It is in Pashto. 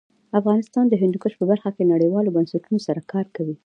افغانستان د هندوکش په برخه کې نړیوالو بنسټونو سره کار کوي.